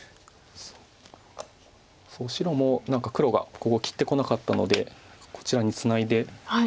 そう白も黒がここを切ってこなかったのでこちらにツナいで。